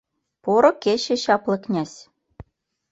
«Поро кече, чапле князь